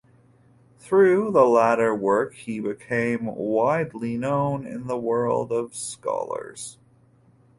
Through the latter work he became widely known in the world of scholars.